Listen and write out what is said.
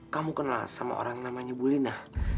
kamu kenal sama orang namanya bulina